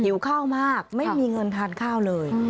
ข้าวมากไม่มีเงินทานข้าวเลย